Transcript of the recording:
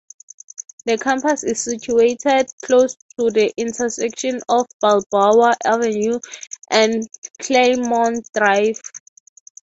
The campus is situated close to the intersection of Balboa Avenue and Clairemont Drive.